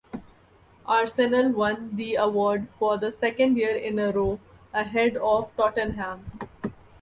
Arsenal won the award for the second year in a row, ahead of Tottenham.